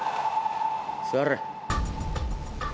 座れ。